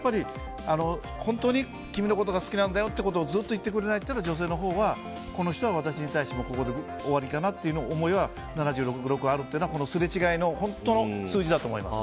本当に君のことが好きなんだよって言ってくれなかったら、女性はこの人は私に対してここで終わりかなっていうのは７６あるっていうのはすれ違いの本当の数字だと思います。